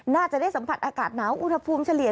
น่าจะได้สัมผัสอากาศหนาวอุณหภูมิเฉลี่ย